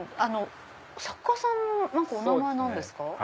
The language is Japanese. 作家さんのお名前なんですか？